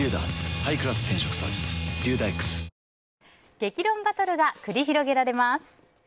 激論バトルが繰り広げられます。